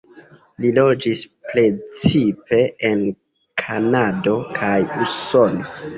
Li loĝis precipe en Kanado kaj Usono.